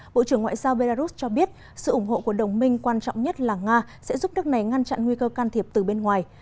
bộ trưởng ngoại giao belarus cho biết sự ủng hộ của đồng minh quan trọng nhất là nga sẽ giúp đất này ngăn chặn nguy cơ can thiệp từ bên ngoài